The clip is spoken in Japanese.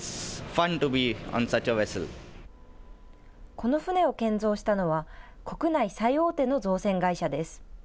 この船を建造したのは国内最大手の造船会社です。